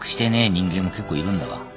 人間も結構いるんだわ。